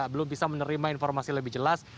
belum bisa menerima informasi lebih jelas